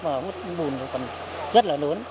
bùn cũng còn rất là lớn